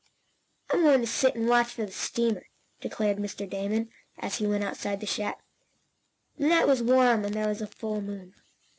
"I'm going to sit and watch for the steamer," declared Mr. Damon, as he went outside the shack. The night was warm, and there was a full moon.